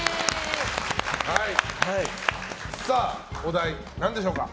お題は何でしょうか？